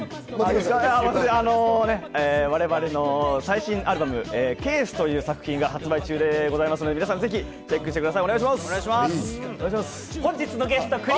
我々の最新アルバム『Ｃａｓｅ』という作品が発売中でございますので、ぜひチェックしてください。